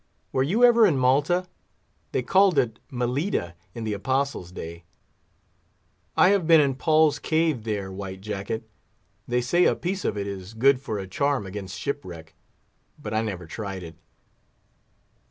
Were you ever in Malta? They called it Melita in the Apostle's day. I have been in Paul's cave there, White Jacket. They say a piece of it is good for a charm against shipwreck; but I never tried it.